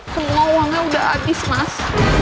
semua uangnya sudah habis mas